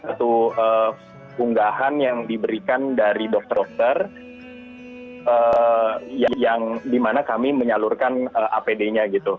satu unggahan yang diberikan dari dokter dokter yang dimana kami menyalurkan apd nya gitu